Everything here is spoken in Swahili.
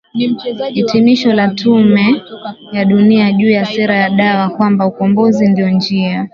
hitimisho la Tume ya Dunia juu ya sera ya Dawa kwamba ukombozi ndio njia